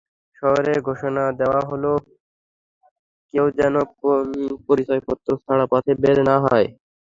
শহরে ঘোষণা দেয়া হল—কেউ যেন পরিচয়পত্র ছাড়া পথে বের না হয়।